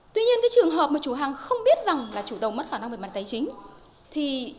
tuy nhiên cái trường hợp mà chủ hàng không biết rằng là chủ tàu mất khả năng về mặt tài chính